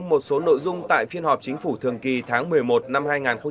một số nội dung tại phiên họp chính phủ thường kỳ tháng một mươi một năm hai nghìn hai mươi